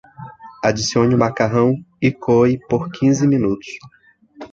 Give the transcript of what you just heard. Adicione o macarrão e coe por quinze minutos.